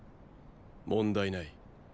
問題ない。